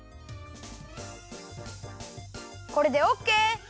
これでオッケー！